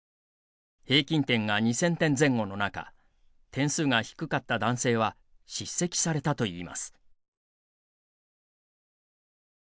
平均点が２０００点前後の中点数が低かった男性は叱責されたといいます。